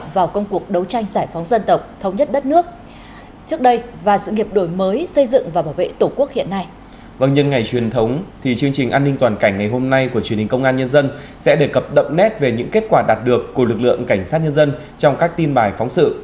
vâng nhân ngày truyền thống thì chương trình an ninh toàn cảnh ngày hôm nay của truyền hình công an nhân dân sẽ đề cập đậm nét về những kết quả đạt được của lực lượng cảnh sát nhân dân trong các tin bài phóng sự